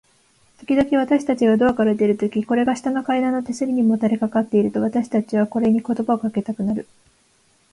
ときどき、私たちがドアから出るとき、これが下の階段の手すりにもたれかかっていると、私たちはこれに言葉をかけたくなる。